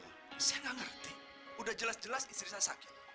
saya nggak ngerti udah jelas jelas istri saya sakit